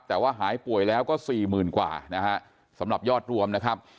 แต่ว่าหายป่วยแล้วก็สี่หมื่นกว่านะฮะสำหรับยอดรวมนะครับ